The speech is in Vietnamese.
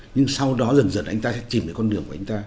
nhưng sau đó dần dần anh ta sẽ chìm được con đường của anh ta